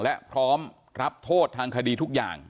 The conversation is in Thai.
และพร้อมรับโทษทางคดีทุกอย่าง